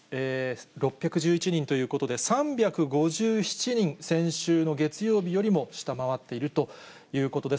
６１１人ということで、３５７人、先週の月曜日よりも下回っているということです。